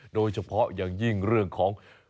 โดยเฉพาะอย่างยิ่งเรื่องของ